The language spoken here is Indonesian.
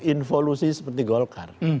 involusi seperti golkar